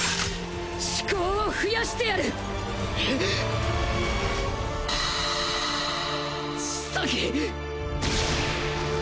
思考を増やしてやる！うっ！治崎！？